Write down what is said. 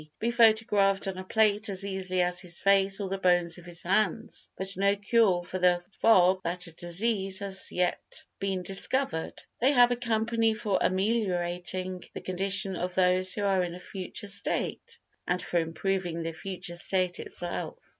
be photographed on a plate as easily as his face or the bones of his hands, but no cure for the f. o. g. th. a. disease has yet been discovered. They have a company for ameliorating the condition of those who are in a future state, and for improving the future state itself.